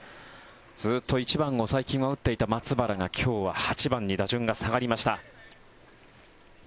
ずっと１番を最近は打っていた松原が今日は８番に打順が下がりました。